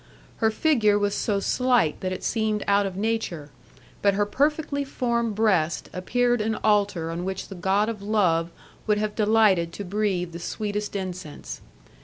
Her figure was so slight that it seemed out of nature, but her perfectly formed breast appeared an altar on which the god of love would have delighted to breathe the sweetest incense.